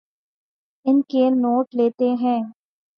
ان کے نوٹ لیتے ہیں